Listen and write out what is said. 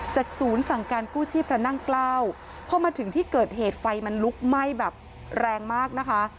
ศูนย์สั่งการกู้ชีพพระนั่งเกล้าพอมาถึงที่เกิดเหตุไฟมันลุกไหม้แบบแรงมากนะคะ